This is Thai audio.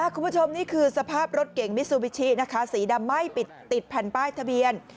คุณผู้ชมนี่คือสภาพรถเก่งมิซูบิชินะคะสีดำไม่ติดแผ่นป้ายทะเบียน